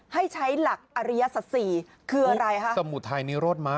ให้ใช้หลักอริยสัสสีคืออะไรคะ